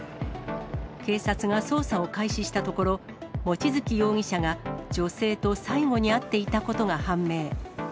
警察が捜査を開始したところ、望月容疑者が女性と最後に会っていたことが判明。